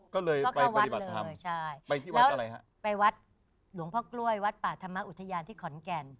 ก็เลยไปไปรบรฯไปที่วัดเช่นวัดหลวงพ่อกล้วยวัดตระวัดอุทิศอื่นที่ขอนแก่น